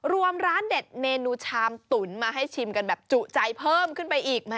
รวมร้านเด็ดเมนูชามตุ๋นมาให้ชิมกันแบบจุใจเพิ่มขึ้นไปอีก